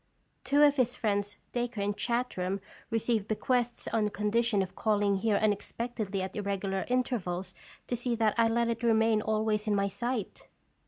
Two of his friends, Dacre and Chartram, re ceived bequests on condition of calling here unexpectedly at irregular intervals to see that I let it remain always in my sight."